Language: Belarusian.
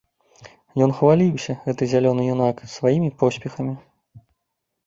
Ён хваліўся, гэты зялёны юнак, сваімі поспехамі.